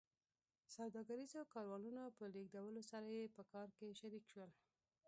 سوداګریزو کاروانونو په لېږدولو سره یې په کار کې شریک شول